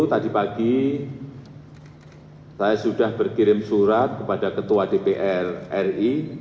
tadi pagi saya sudah berkirim surat kepada ketua dpr ri